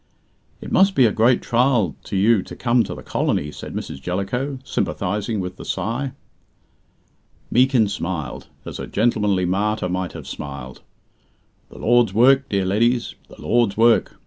"It must be a great trial to you to come to the colony," said Mrs. Jellicoe, sympathizing with the sigh. Meekin smiled, as a gentlemanly martyr might have smiled. "The Lord's work, dear leddies the Lord's work.